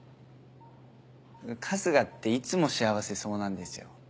春日っていつも幸せそうなんですよ。